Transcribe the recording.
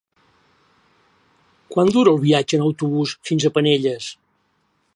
Quant dura el viatge en autobús fins a Penelles?